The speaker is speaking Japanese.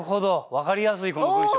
分かりやすいこの文章。